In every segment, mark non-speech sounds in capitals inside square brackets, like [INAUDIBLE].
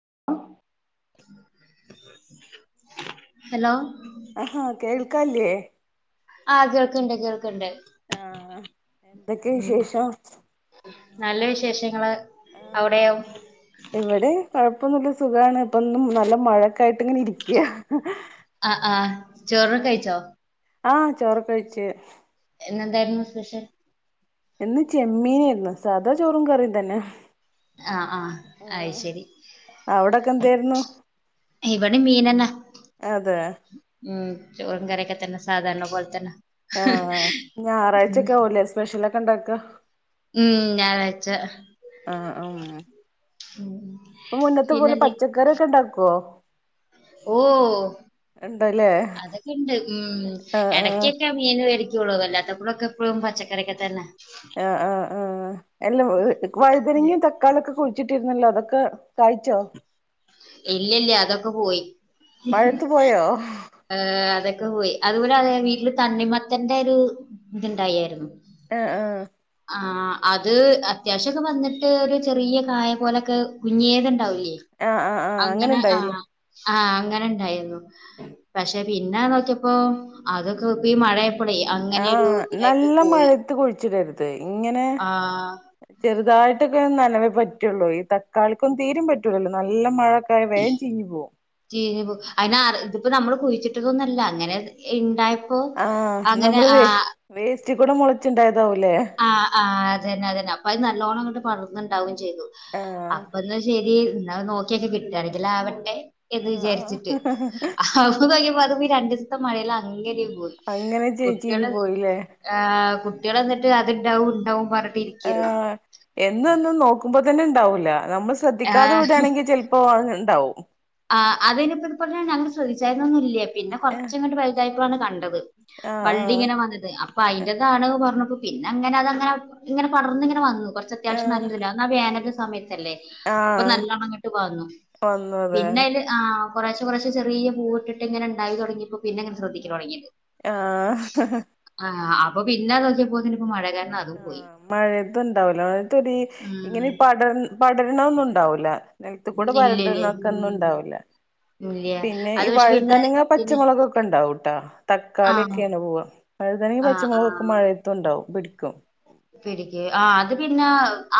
[UNINTELLIGIBLE] Hello ആഹാ കേൾക്കാല്ലേ ആ കേൾക്ക്ണ്ട് കേൾക്ക്ണ്ട് ആഹാ എന്തൊക്കെ വിശേഷം നല്ല വിശേഷങ്ങള് ആ അവിടെയോ ഇവിടിം കൊഴ്പ്പ പ്പൊന്നുല്ല സുഖാണ് ഇപ്പോ ന്നും നല്ല മഴൊക്കായ്ട്ട്ങ്ങനിര്ക്കാ ആ ആഹ ച ചോറൊ കഴിച്ചോ ആഹ ചോറ് കഴിച്ചു ഇന്നെന്തായിരുന്നു സ്പെഷ്യൽ ഇന്ന് ചെമ്മീനായിരുന്നു സാദാ ചോറും കറിയും തന്നെ ആ ആ അയ് ശരി ആ അവിടൊക്കെ എന്തായിരുന്നു അ മീനന്നെ അതെ ഉ ചോറ് കാറീക്ക തന്ന സാധാരണ പോലത്തന്നെ ആഹ് ഞായറാഴ്ചൊക്കെ ആവലേ സ്പെഷ്യലൊക്കെ ഉണ്ടാക്ക ഉം ഞായറാഴ്ച ആഹ ഉ ഉം ഉം ഇപ്പ മുന്നത്തെ പോലെ പിന്നെന്തെ പച്ചക്കറൊക്കെ ഉണ്ടാക്കുവോ ഓ ഉണ്ടല്ലേ അതൊക്കെ ഇണ്ട് ഉ ആഹ് ആഹ് ഇടക്കൊക്കെ മീൻ വ വല്ലാത്തപ്പോഴൊക്കെപ്പോഴും പച്ചക്കറി ഒക്കെ തന്നെ ആ ആഹ് ആഹ് എല്ല വഴുതനങ്ങിയും തക്കാളിയൊക്കെ കുഴിച്ചിട്ടിരുന്നല്ലോ അതൊക്കെ കായ്ച്ചോ ഇല്ല ഇല്ലേ അതൊക്കെ പോയി മഴത്ത് പോയോ ആഹ അതക്ക പോയി അതുപോലെ അതെ വീട്ടില് തണ്ണിമത്തന്റെ ഒരു ഇത്ണ്ടായായിരുന്നു ആഹ ആഹ ആ അത് അത്യാവശ്യം ഒക്കെ വന്നിട്ട് ഒരു ചെറിയ കായ പോലൊക്കെ കുഞ്ഞേതുണ്ട് ആഹ് ആഹ് ആഹ് അങ്ങനെ ആ ഉണ്ടായില്ലേ ആഹ് അങ്ങനെ ഇണ്ടായിരുന്നു പക്ഷെ പിന്നെ നോക്കിയപ്പോ അതൊക്കെ ഇപ്പഈ മഴ ആഹ നല്ല മഴത്ത് കുഴിച്ചിടരുത് ഇങ്ങനെ ആഹ് ചെറുതായിട്ടൊക്കെ നന പറ്റുള്ളൂ ഈ തക്കാളിക്കൊന്നും തീരും പറ്റൂലല്ലോ നല്ല മഴൊക്കെ ആ വേഗം ചീഞ്ഞി പോകും അതിനെ ഇതിപ്പോ നമ്മള് കുഴിച്ചിട്ടതൊന്നല്ല അങ്ങനെ ഉണ്ടായ ആഹ നമ്മള് വേ വേസ്റ്റ കൂടെ മുളച്ചുണ്ടായിരുന്നു ആ ആ അതന്നെ അതന്നെ അപ്പൊ അത് നല്ലോണംങ്ങട്ട് പളർന്നുണ്ടാവും ചെയ്തു ആഹ് അപ്പന്ന് ശെരി എന്നാ നോക്കിയക്കെ കിട്ടങ്കില ആവട്ടെ എന്ന് ആഹ് വിചാരിച്ചിട്ട് അ നോങ്ങിയപ്പോ അതഈ രണ്ടു ദസത്തെ മഴല്ല അങ്ങ അങ്ങനെ ചീ കുട്ടികൾ ചീഞ്ഞു പോയില്ലേ കുട്ടികൾ എന്നിട്ട് അത്ണ്ടാവും ഉണ്ടാവും ആ എന്നൊന്നും നോക്കുമ്പോ തന്നെ ഇണ്ടാവൂല നമ്മൾ ശ്രദ്ധിക്കാതെ വിടയാണെങ്കിൽ ചിലപ്പോ ഉണ്ടാവും ആ അതയ്നപ്പ ഇ പറഞ്ഞ ഞങ്ങള് ശ്രദ്ധിച്ചായിന്നൊന്നും ഇല്ലേ പിന്നെ ഏഹ് കുറച്ചുംങ്ങട്ട് വുതായപ്പോഴാണ് കണ്ടത് വള്ളി ആഹ് ഇങ്ങനെ വന്നത് അപ്പൊ ആഹ് അതിന്റെറേതാണ് പറഞ്ഞ പിന്നെ അങ്ങെ അത അങ്ങനെ ഇങ്ങെ പടർന്ന ഇങ്ങനെ വന്ന കുറച്ച് അത്യാവശ്യം ആഹ് നല്ലാ വേന സമയത്ത് ല്ലേ അപ്പൊ ആഹ് നല്ലോണംങ്ങട്ട് വന്നു വന്നത് പിന്നെല് ആ കുറച്ച് കുറച്ച് ചെറിയ പൂവ്ട്ട് ഇങ്ങന ഉണ്ടായി തുടങ്ങിയപ്പോ പിന്നെങ്ങെ ശ്രദ്ധിക്കല് തുടങ്ങിയത് ആഹ അപ്പ പിന്നെ നോക്കിയ പോതിന്പ്പോ മഴക ആ മഴയത് ഉണ്ടാവൂലാ മഴയത്ത് ടീ ഇങ്ങനെ ഉം പട പടര്ണ ഒന്നും ഉണ്ടാവില്ല നിലത്ത് കൂടെ ഇല്ലല്ലേ പരടണം ഒക്കെ ഒന്നും ഉണ്ടാവില്ല ഉം ഇല്ല പിന്നെ അത് ഈ പക്ഷെ പിന്നെ വഴുതനങ്ങ ഇതിന് പച്ചമുളകൊക്കെ ഉണ്ടാവൂട്ടാ തക്കാളിയ ആഹ് ഒക്കെയാണ് പോവാ വഴുതനങ്ങ ആഹ് പച്ചമുളകൊക്കെ മഴയത്തുംണ്ടാവും പിടി ക്ക് ആ അത് പിന്നെ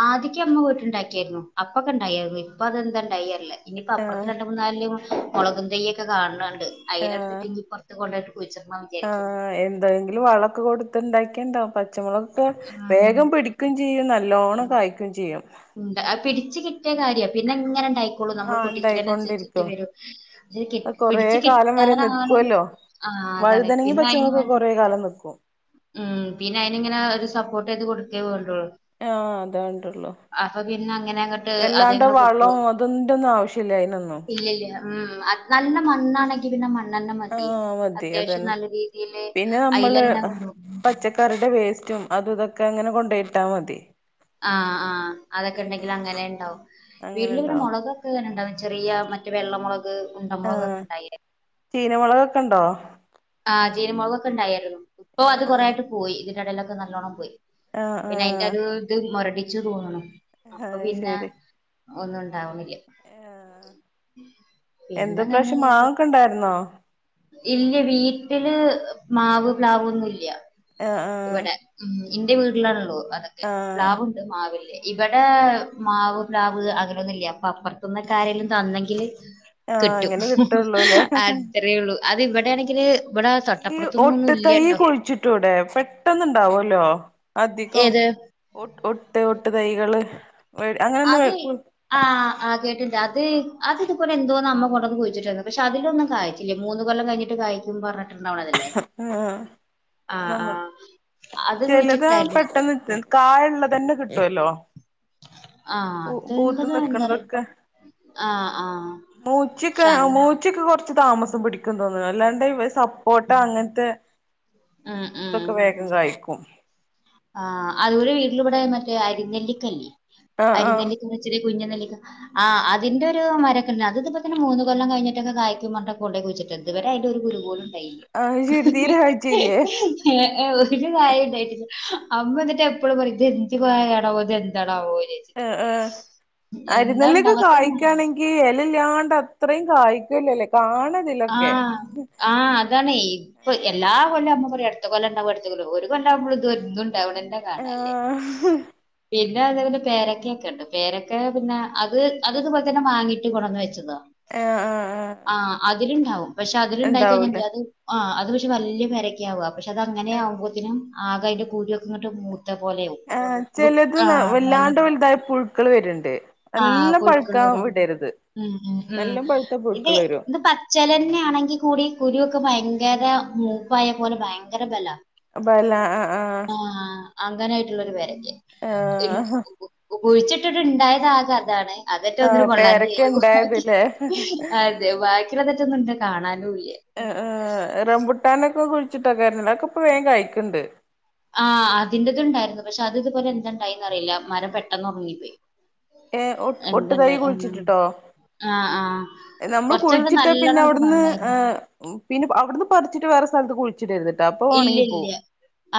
ആദ്യക്ക് ഇമ്മവീട്ടിൽണ്ടാക്കിയായിരുന്നു അപ്പൊക്കെ ഇണ്ടായിരുന്നു അപ്പൊ അതെന്തതുണ്ടായി അല്ല ഇനിയിപ്പ അപ്പുറത്തെ ആഹ് രണ്ട മൂന്ന് നല് മുളകും തെയ്യൊക്കെ കാണാണ് അയിനെ ടുത്തിട്ട് ഇനി പ്പറത്ത കൊണ്ട ആ എന്തെങ്കിലും വളക്ക് കൊടുത്ത് ഉണ്ടാക്കിയണ്ടാവും പച്ചമുളക് ക്കെ ആഹ് വേഗം പിടിക്കുകയും ചെയ്യും നല്ലോണ്ണം കായ്ക്കുകയും ചെയ്യും ഉണ്ട് പിടിച്ചച്ച് കിട്ടിയ കാര്യ പിന്നെ ഇങ്ങനെ ആയിക്കോള്ളൂ നമ്മള് ആഹ് പൊട്ടിക്കനുസരിച്ചിട്ട് ഇണ്ടായിക്കൊണ്ടിരിക്കും വരും പക്ഷെ അത് കൊറേ പിടിച്ചച്ച് കാലം വരെ കിട്ടാനണ നിക്കുവല്ലോ ആ അതല്ലെ വഴുതനങ്ങി പിന്നെ അയിന് പച്ചമുളകൊക്കെ വേണ്ട കൊറേ കാലം നിക്കും ഉം പിന്നെ അയിനി ഇങ്ങനെ ഒരു സപ്പോർട്ട് ചെയത് കൊടുക്കേ പോണ്ടള്ളൂ ആ അത ണ്ടുള്ളു അപ്പൊ പിന്നെ അങ്ങനെ അങ്ങട്ട് അതങ്ങന്നെ പോക്കോളും വളവും അതിന്റെ ഒന്നും ആവശ്യല്ല അയിനൊന്നും ഇല്ലല്ല മ് ആ നല്ല മണ്ണാണ ങ്കി മണ്ണെണ് മതി ആഹ് മതി അത്യാവശ്യം അതന്നെ നല്ല രീതിൽ പിന്നെ നമ്മള് അയലന്ന പച്ചക്കറിയുടെ വേസ്റ്റും അത് ഇതൊക്കെ അങ്ങനെ കൊണ്ടോയിട്ടാ മതി ആ ആ അതൊക്കെ ഉണ്ടെങ്കില് അങ്ങനെണ്ടാവും അങ്ങനെ വീട്ടില് പിന്നെ ഇണ്ടാവും മുളകൊക്കെ ങ്ങനെണ്ടാവും ചെറിയ മറ്റ വെള്ളമുളക് ഉണ്ടമുളകൊക്കെ ഇണ്ടായിന്ന് കണ്ടോ ആചിനമുളകൊക്കെ ഇണ്ടായിരുന്നു ഇപ്പൊ ആഹ് അത് ആഹ് കൊറെയൊക്കെ പോയി ഇതിന്റെ ഇടയിലൊക്കെ നല്ലോണ്ണം പോയി. ആഹ് പിന്നെ അയിന്റെരുഇത് മുരടിച്ചു തോന്ന്ന്നു ആ ശരി ഒന്നും ഉണ്ടാവിണി ആ എന്ത് പിന്നെങ്ങനെ പ്രാശ്യം മാങ്ങക്കുണ്ടായിരുന്നോ? [INAUDIBLE] ആഹ് ആഹ് ഇവടെ ഉം ഇന്റെ വീട്ടിലാണല്ലോ അതൊക്കെ ആഹ് പ്ലാവുണ്ട് മാവില്ല. ഇവിടെ മാവ് പ്രാവ് അങ്ങനൊന്നുംല്ല അപ്പൊ അപ്പുറത്ത്ന്ന് ഒക്കെ ആരേലും തന്നെങ്കില് ആഹ് കിട്ടും അങ്ങനെ കിട്ടുള്ളൂല്ലേ അതത്രയൊള്ളൂ അത് ഇവിടെയാണെങ്കില് ഇവിടെ ഈ തൊട്ടപ്പുറത്തൊന്നും ഒന്നും ഒട്ട് തൈ കുളിച്ചിട്ടൂടെ പെട്ട് [UNINTELLIGIBLE] ന്നുണ്ടാവല്ലോ ഏത് വ അങ്ങനെന്ന് അത് പൂ ആ ആ കേട്ട്ണ്ട് അത് അത് ഇതുപൊലെ എന്തോന്നമ്മ കൊണ്ടുന്ന് കുഴിച്ചിട്ടര്ന്നു പക്ഷെ അതിലൊന്നും കായിച്ചില്ല മൂന്ന് കൊല്ലം കഴിഞ്ഞിട്ട് കായിക്കും പറ അ ആ ആ ആ നമ്മൾ അത് ചെലത് കുഴിച്ചിട്ടായിരുന്നു പെട്ടെന്ന് കായള്ളതന്നെ കിട്ടുല്ലോ ആ ഓ അത് ബോത്ത് എന്താ അറിയില്ല നിക്ക്ണതൊക്കെ ആ ആ മൂച്ചിക്കെ പക്ഷെ മൂച്ചിക്കെ കൊറ താമസം പിടിക്കും തോന്നുന്നു അല്ലാണ്ട് [UNINTELLIGIBLE] സപ്പോട്ട അങ്ങൻത്തെ ഉം ഇതൊക്കെ വേഗം കായിക്കും ആ അതുപോല വീട്ടില് ഇവടെ മറ്റേ അരിനെല്ലിക്കല്ലേ ആഹ് ആഹ് അരിനെല്ലിക്കന്ന് വെച്ച കുഞ്ഞ നെല്ലിക്ക ആ അതിന്റെ ഒരു മരക്കണ്ട് അത് ഇതിപ്പ തന്നെ മൂന്ന് കൊല്ലം കഴഞ്ഞിട്ടൊക്കെ കായ്ക്കും പറഞ്ഞ് കൊണ്ടേ കുയിച്ചി തുവരെ അയിട്ട്. ഒരു കുരു പോലു ഉണ്ടായില്ല അത് ശരി തീരെ കായ്ച്ചില്ലേ പിന്നെ കായിണ്ടായിട്ടില്ല അമ്മ ന്നിട്ട് എപ്പളും പറയും ഇദ് യെന്ത് പഴണാവോ ഇദ് എന്താ താ [UNINTELLIGIBLE] ചിട്ട് അരിനെല്ലൊക്കെ കായ്ക്കയാണെങ്കിൽ യെലല്ലാണ്ട് അത്രയും കായ്ക്കലല്ലേ കാണു ആ ആ അതാണ് ഇപ്പൊ എല്ലാ കൊല്ലാം അമ അടുത്ത കൊല്ല ഉണ്ടാവും അടുത്ത കൊല്ലാവും ഒരു കൊള്ളാവുമ്പളും ഇത് ഒന്നും ഉണ്ടാവുന്നദെന്നെ കാണാല്ല ആഹ് പിന്നെ പിന്ന അതേപോലെക്കെ പേരക്കൊക്കെ ഉണ്ട് പേരക്കെ പിന്നെ അത് അത് ഇതുപോലെ തന്നെ വാങ്ങിയിട്ട് കൊണന്ന് വെച്ചതോ ആഹ് ആഹ് ആഹ് ആ അതിലുണ്ടാവും പക്ഷെ അതിലുണ്ടായികഴിഞ്ഞാ ഇണ്ടാവൂലേ അത് ആ അ അത് പക്ഷെ വലിയ പേരക്കാവ പക്ഷെ അത് അങ്ങനെ ആകുമ്പോത്തിനും ആകയിന്റെ കൂരുക്കെ ഇങ്ങട്ട് മൂത്ത പോലെയവും ആ ചില ആഹ് പുഴുക്കള് വരും ഉം ഉം ഉം ഇത് ഇത് പ അച്ചലന്നെ ആണെങ്കിൽ കൂടി കുരുക്കെ ഭയങ്കര മൂപ്പായ പോലെ ഭയങ്കര ബലം വല ആ ആ ആംഗാനായിട്ടുള്ളൊരു വരെ ഏ കുഴിച്ചിട്ടിട്ട് ഇണ്ടായത് അകെ അതാണ് അതൊറ്റെ ഒനിന്നും ആഹ് കൊള്ളാതെയി പേരക്ക ഇണ്ടായതില്ലേ മാറ്റി കഴിച്ചിനേറ്റ [UNINTELLIGIBLE] കാണാനും ല്ല ഏ ഏ റംബൂട്ടാനൊക്കെ കുഴിച്ചിട്ടാ ആ അതിന്റദ് ഇണ്ടായിരുന്നു പക്ഷെ അത് ഇതുപോലെ എന്താണ്ടായെന്നറിയില്ല മരം പെട്ടെന്ന് ഒറങ്ങിപ്പോയി ഏഹ് ഒ ഒട്ട് തൈ എന്തണ്ടയി അ കുഴിച്ചിട്ടിട്ടോ ആ ആ നമ്മൾ കൊറച്ചങ്ങട് കുഴിച്ചിട്ട് പിന്നെ നല്ലോണം അങ്ങട്ട് അവിടുന്ന് വന്നായിരുന്നു പിന്നെ അവിടുന്ന് പറിച്ചിട്ട് വേറെ സ്ഥലത്ത് കുഴി ഇല്ല ഇല്ല്യാ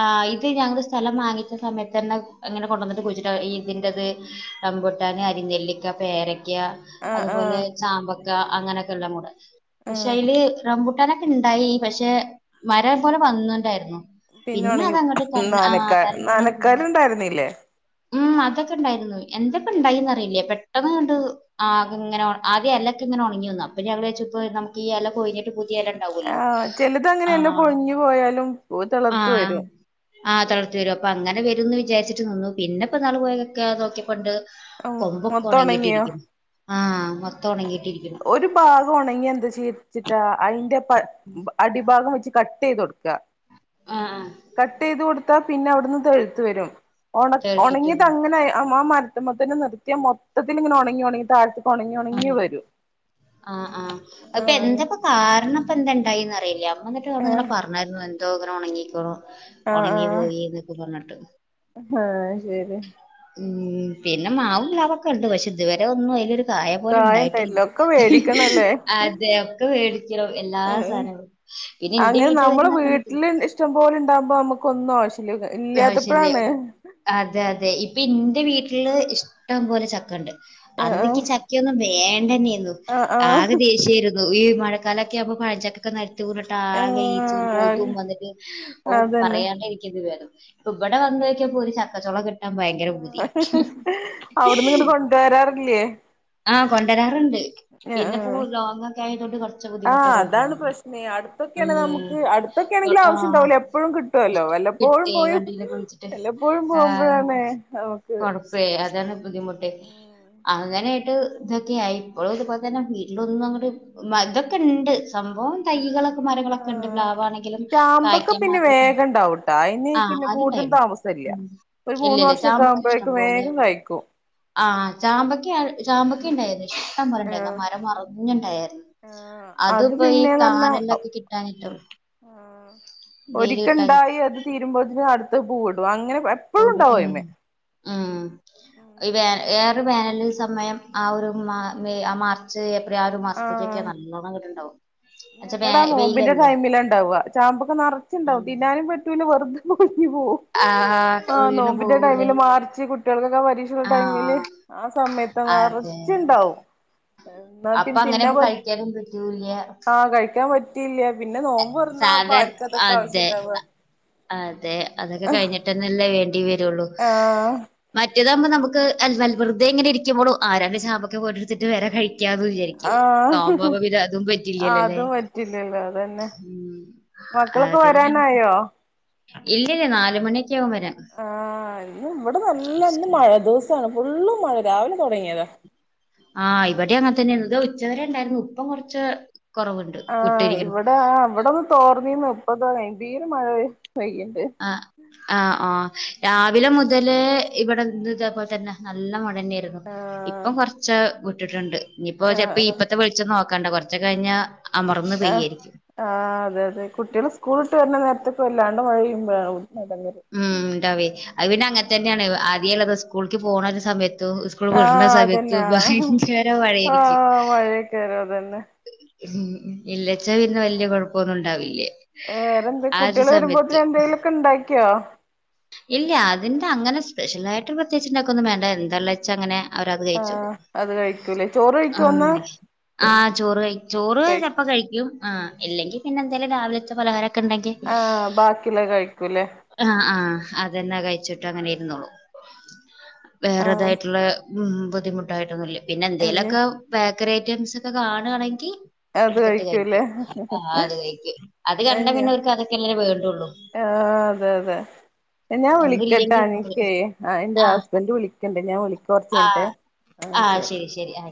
ആ ഇത് ഞങ്ങള് സ്ഥലം മാറി സമയത്ത് തന്നെ അങ്ങനെ കൊണ്ടുവന്നിട്ട് കുഴിച്ചിട്ടാ ഈന്തിന്റേത്, റമ്പുട്ടാൻ, അരിനെല്ലിക്ക പേര ക്ക്യാ ആഹ് അതുപോലെ ആഹ് ചാമ്പക്ക അങ്ങനെക്കെള്ള മൂട പക്ഷെ ആഹ് അയില് റമ്പൂട്ട കാനൊക്കെണ്ടായി പക്ഷെ മരം പോലെ വന്ന്ണ്ടായിരുന്നു പിന്നെ അതങട്ട് തന്നെ ആ നാനക്കാ തന്നെ നാനക്കാല് [UNINTELLIGIBLE] ഇണ്ടായിരുന്നില്ലേ ഉം അതൊക്കെ ഇണ്ടായിരുന്നു എന്താപ്പൊ ണ്ടായിന്നറീല പെട്ടെന്ന്ങ്ങ്ട്ട് ആകെ ഇങ്ങനെ ഒ ആദ്യ എലക്കെ ങ്ങനെ ഒണങ്ങി വന്നു അപ്പൊ ഞാൻ വിചാരിച്ചു പ്പൊ നമുക്കിപ്പോ ഈ എല കൊഴഞ്ഞിട്ട് പു ആ ചെലത് അങ്ങനെയെല്ലാം പൊഴിഞ്ഞു പോയാലും തളിർത്ത് വരും ആ് തളർത്തി വരും അപ്പൊ അങ്ങനെ വരും ന്ന് വിചാരിച്ചിട്ട് നിന്നു പിന്നെപ്പൊ നാള് പോയൊക്കെ നോക്കിയപ്പണ്ട് ഉം കൊമ്പൊക്കെ മൊത്തം ഒണങ്ങിയോ ഉണങ്ങിട്ടിരിക്കും ആ മൊത്തം ഉണങ്ങി ഒരു ഭാഗം ഉണങ്ങി എന്ത്‌ ചെയ് ചിട്ടാ അയിന്റെ പ അടിഭാഗം വെച്ച് ക ചെയ്തൊടുക്ക ആ ആ കട്ടെയ്ത് കൊടുത്താ പിന്നെ അവിടുന്ന് തെളിത്ത് വരും ഒണ - ഒണ ചേർത്തിട്ട് ങ്ങിയതങ്ങനെ അ മരതത്ത്മ്മ ത്തന്നെ നിർത്തിയാ മൊത്തത്തിൽ ഇങ്ങനെ ഉണങ്ങി ഉണങ്ങി താഴത്തി ഉണങ്ങി ഉണങ്ങി വരൂ അ ആ അത്പ്പൊ എന്തപ്പ കാരണം ഇപ്പ എന്തേണ്ടായി ഏ ഇല്ല അമ്മ വന്നിട്ട് ഇങ്ങന ആഹ് പറഞ്ഞാരുന്നു എന്തോ ഇങ്ങനെ ഉണങ്ങിക്ക്ണൂ ആഹ് ഉണങ്ങി ആഹ് പോയി ന്നൊക്കെ പർന്ട്ട് ആഹ് ശരി ഉം പിന്നെ മാവും പ്ലാവൊക്കെ ഉണ്ട് പക്ഷെ ഇതുവരെ ഒന്നും എൽ ഒരു കായ പോലെ ഉണ്ടായിട്ടില്ല കായണ്ടായില്ല ഒക്കെ ഹ് വേടിക്കണല്ലേ അതൊക്കെ മേടിക്കണം എല്ലാ ഏഹ് സാധനങ്ങളും പിന്നെ എന്റെ അങ്ങനെ വീട്ടിൽ നമ്മള് വരുന്ന വീട്ടില് സമയത്ത് ഇഷ്ടം പോലെ ഉണ്ടാവുമ്പോ നമുക്കൊന്നും ആവശ്യ ആവശ്യല്ല്യാ അതെ അതെ ഇപ്പൊ ഇന്റെ വീട്ടില് ഇഷ്ടം പോലെ ചക്കണ്ട് അന്ന് ഇക്ക് ആഹ് ചക്കയൊന്നും വേണ്ടന്നെയന്നു ആഹ് ആകെ ആഹ് ദേഷ്യായിരു ഈ മഴക്കാലൊക്കെ ആവുമ്പോ പഴംചക്കെക്കെ നെര് [UNINTELLIGIBLE] ആഹ് ആകെ ഈച്ചിം കൊതും വന്നിട്ട് ആഹ് ഓ അതന്നെ പറയാണ്ടരിക്കായിരികും ഇത് ഭേദം ഇപ്പ ഇവിടെ വന്നോക്ക്യപ്പോ ഒരു ചക്കച്ചോള കിട്ട ന ഭയങ്കര പൂതി അവിടുന്ന് ഇങ്ങട്ട് കൊണ്ടുവരാറില്ലേ ആ കൊണ്ടരാറുണ്ട് പി ആഹ് പിന്നെപ്പോ ആഹ് ലോങ്ങൊക്കെ ആയതൊണ്ട് കൊറച്ച് ആഹ് ബുദ്ധിമുട്ടാ അതാണ് കൊണ്ടരാന് ആ അടുത്തൊക്കെ ഏണെങ്കിലും ആവശ്യം ഉണ്ടാവൂലേ എപ്പഴും കിട്ടോല്ലോ വല്ലപ്പോഴും കിട്ടേ പോയി വണ്ടിയിലൊക്കെ വിളിച്ചിട്ട് വല്ലപ്പോഴും ആഹ് പോകുമ്പോഴാണ് നമുക്ക് കൊഴപ്പേ അതാണ് ബുദ്ധിമുട്ട് അങ്ങനെ [UNINTELLIGIBLE] ഇതൊക്കെയായി ഇപ്പളും ഇത് പോലെ തന്നെ വീട്ടിലൊന്നും അങ്ങട് വൽതൊക്കെണ്ട് സംഭവം തൈകളൊക്കെ മരങ്ങളൊക്കെണ്ട് ആഹ് പ്ലാവാണെങ്കിലും ചാമ്പൊക്കെ കായ്ക്കാൻ പിന്നെ മാത്രംക്കെണ്ട് വേഗം ഉണ്ടാവൂട്ടാ അയിന് ആ പിന്നെ കൂടുതൽ അത്ണ്ടായിര്ന്ന് താമസല്ല ഒരു മൂന്ന് ഇല്ലല്ല വർഷൊക്കെ ചാമ്പക്ക ഇഷ്ടം ആകുമ്പോഴേക്കും പോലെ വേഗം കായ്ക്കും ആ ചാമ്പക്ക ആ ചാ ചാമ്പക്ക ഇണ്ടായിരുന്നു ഇഷ്ട്ടമ്പോലെ ഇണ്ടായിരുന്നു ആഹ് ആ മരം മറിഞ്ഞുണ്ടായിരുന്നു ആഹ് അത് ഇപ്പൊ ഈ പിന്നെന്ന് പറഞ്ഞാ കാനലൊക്കെ കിട്ടാഞ്ഞിട്ടാവും ആഹ് ഒരിക്കണ്ടായി അത് തീരുമ്പോത്തിന് അടുത്ത് പൂവിടും അങ്ങനെ എപ്പഴും [UNINTELLIGIBLE] ഉണ്ടാവും ഉം അയിമ്മെ ആ ഈ വേ വേറെ വേനലിൽ ഒരു സമയം ആ ഒരു മാ വെ ആ മാർച്ച് ഒരാറ് മാസത്തക്കക്കെ ആഹ് നല്ലോണങ്ങട്ട്ണ്ടാവും ഞങ്ങടെ ആ നോമ്പിന്റെ ടൈമിലാ ഉണ്ടാവ ചാമ്പൊക്ക നറച്ചുണ്ടാവും തിന്നാനും പറ്റൂല വെറുതെ പോയി [UNINTELLIGIBLE] ആ ആഹ് വീണ് നോമ്പിന്റെ പോവൂലേ ടൈമില് മാർച്ച് കു ആ പരീക്ഷന്റെ ടൈമില് ആഹ് ആ സമയത്താ അതെ നെറച്ചുണ്ടാവും എന്നാ അപ്പൊ പിന്ന തിന്നാ അങ്ങനെപ്പൊ പ കഴിക്കാനും പറ്റൂല്ല ആ കഴിക്കാൻ പറ്റിയില്ല പിന്നെ നോമ്പോർന്നാ പ്പാ സാധാരണ ആർക്കാ ഇതൊക്കെ അതെ ആവശ്യംണ്ടാവുക അതെ അതൊക്കെ കഴിഞ്ഞിട്ട്ന്നെല്ലേ വേണ്ടി വരുള്ളൂ ആഹ് മ മറ്റേതാക്മ്പോ നമുക്ക് അൽ വെൽ വെറുതെങ്ങനെ ഇരിക്കുമ്പളും ആ രണ്ട് ചാമ്പക്ക പോയി എടുത്തിട്ട് വരെ കഴി ത്യാഗം വിചാരിക്കും ആഹ് നോമ്പാവുമ്പം പിന്നെ അതും പറ്റില്ലല്ലല്ലേ തന്നെ മക്കളൊക്കെ വരാനായോ ഇല്ലല്ലേ നാല് മണിക്ക് ആ ഇ ഇവിടെ നല്ലന്ന് മഴ ദിവസമാണ് ഫുള്ള് മഴ രാവിലെ തുടങ്ങിയതാ ആ ഇവിടെ അങ്ങനെ തന്നെയ ഇത് ഉച്ചവരെ ഉണ്ടായിരുന്നു ഇപ്പം കൊറച്ച് ആ ഇവിടെ ഇവിടെൊന്ന് തോർന്നീന്ന് ഇപ്പത എന്തീര മഴ പ ആ ആ ആ രാവിലെ മുതലേ ഇവിടെ ഇന്നതേപലെ തന്നെ നല്ല മ ആഹ് ഇപ്പൊ കൊറച്ച വിട്ടിട്ടുണ്ട് ഇയിപ്പോ ച ആഹ് ഇപ്പത്തെ വിച്ച നോ കണ്ട കുറച്ച കഴിഞ്ഞ അമർന്ന് ആ പെയ്യായിരിക്കും ആ അതെ അതെ കുട്ടികൾ സ്കൂളിട്ട് വരുന്ന നേരത്തേക്ക വല്ലാണ്ട് വഴുമ്പ ഉം ഉണ്ടാവേ അത് പിന്നെ അങ്ങനെ തന്നെയാണ് ആദ്യമുള്ളത് സ്കൂൾക്ക് പോകണ ഒരു സമയ സ്കൂൾ വിടണ ആഹ് സമയത്ത് അതന്നെ ആഹ് ഭയങ്കര പഴായിരിക്കും ആഹ് മഴയൊക്കെവരും അതന്നെ ഉം ഇല്ലച്ച ഇന്ന് വലിയ കുഴപ്പൊന്നും ഉണ്ടാവില്ലേ വേറെന്ത ആ ഒരു കുട്ടികൾ സമയത്ത് വരുമ്പോത്തി എന്തെങ്കലൊക്കെ ഉണ്ടാക്കിയോ ഇല്ല അതിന്റെ അങ്ങനെ സ്പെഷ്യലായിട്ട് പ്രത്യേകിട്ടണ്ടാക്കക്കൊന്നും വേണ്ട എന്താ വെച്ചാ അങ്ങനെ അവരത് കഴച്ചു ആഹ് അത് കഴിക്കൂലേ ചോറ് ആ കഴിക്കോ ഇന്ന് ആ ചോറ് ക ചോറ് കഴി ചപ്പോ കഴിക്കും ആ് ഇല്ലെങ്കിൽ പിന്നെ എന്തായാലും രാവിലെ പലഹാരം ണ്ടെങ്കിൽ ആഹ് ബാക്കിയുള്ളത് കഴിക്കൂലേ ആ ആ അതന്നെ കഴിച്ചിട്ട് അങ്ങനെ ഇരുന്നുോള്ളൂ ആഹ് വേറതായിട്ടുള്ള ഉ ബുദ്ധിമുട്ടായിട്ടൊന്നുമില്ല പിന്നെ ഇല്ല എന്തെേലുമൊക്കെ ബേക്കറി ഐറ്റംസ് ഒക്കെ കാണുകയാണെങ്കിൽ അത് എടുത്തിട്ട് കഴിക്കൂലേ കഴിക്കും ആ അത് കഴിക്കും അത് കണ്ട പിന്നെ അവർക്ക് അതൊക്കെ എല്ലേ വേണ്ടുള്ളൂ ആ അതെ അതെ ഞാൻ വിളിക്കട്ടാ ഒന്നുല്ലെങ്കി ഇരുന്നോട്ടെ. എനിക്കേ ആ എൻന്റെറെ ആഹ് ഹസ്ബൻറ് വിളിക്കണ്ടേ ഞാൻ വിളിക്ക കുറച്ച കഞ്ഞിട്ട് ആ ശരി ശരി ആ